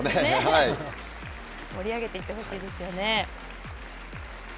盛り上げていってほしいですよね。